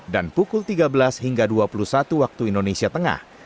dan pukul tiga belas hingga dua puluh satu waktu indonesia tengah